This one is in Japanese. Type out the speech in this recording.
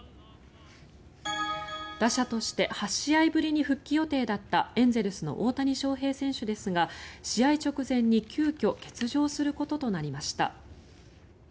打者として８試合ぶりに復帰予定だったエンゼルスの大谷翔平選手ですが試合直前に急きょ欠場することとなりました。